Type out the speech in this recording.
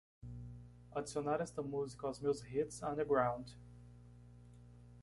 Adicionar esta música aos meus hits underground